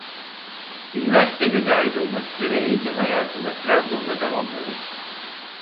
Üniversite de dâhil olmak üzere eğitim hayatını Trabzon'da tamamladı.